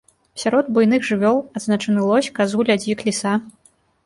Сярод буйных жывёл адзначаны лось, казуля, дзік, ліса.